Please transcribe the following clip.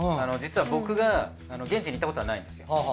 実は僕が現地に行ったことはないんですよ。